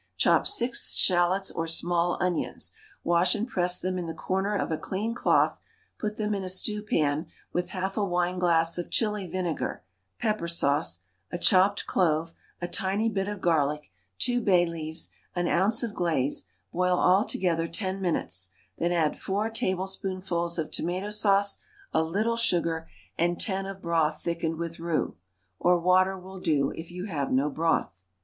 Chop six shallots or small onions, wash and press them in the corner of a clean cloth, put them in a stew pan with half a wineglass of chili vinegar (pepper sauce), a chopped clove, a tiny bit of garlic, two bay leaves, an ounce of glaze; boil all together ten minutes; then add four tablespoonfuls of tomato sauce, a little sugar, and ten of broth thickened with roux (or water will do if you have no broth).